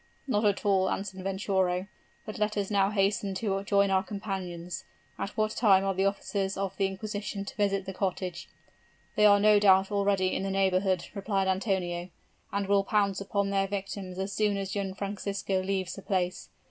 'Not at all,' answered Venturo; 'but let us now hasten to join our companions. At what time are the officers of the inquisition to visit the cottage?' 'They are no doubt already in the neighborhood,' replied Antonio, 'and will pounce upon their victims as soon as young Francisco leaves the place.